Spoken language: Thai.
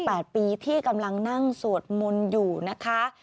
แปดปีที่กำลังนั่งสวดมนต์อยู่นะคะ